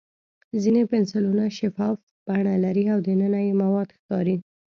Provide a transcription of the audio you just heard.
ځینې پنسلونه شفاف بڼه لري او دننه یې مواد ښکاري.